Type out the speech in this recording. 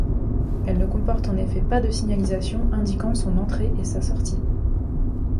Elle ne comporte en effet pas de signalisation indiquant son entrée et sa sortie.